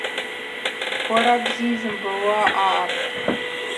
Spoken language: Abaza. Уара бзи йзымбауа аъапӏ.